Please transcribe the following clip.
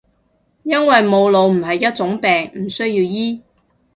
因為冇腦唔係一種病，唔需要醫